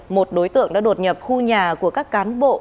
một đối tượng đã đột nhập khu nhà của các cán bộ